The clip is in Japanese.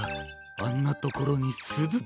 あんなところにすずどのが！